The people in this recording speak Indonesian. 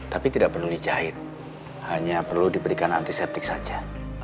tapi tidak perlu dijahit hanya perlu diberikan antiseptik saja